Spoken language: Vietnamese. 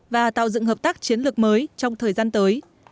và tạo dựng hợp tác chiến lược mới trong thời gian tới